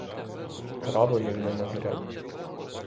Трави між ними горять.